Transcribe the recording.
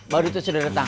baru itu sudah datang